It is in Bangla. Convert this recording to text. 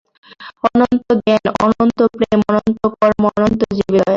অনন্ত জ্ঞান, অনন্ত প্রেম, অনন্ত কর্ম, অনন্ত জীবে দয়া।